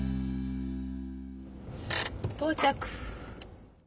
到着！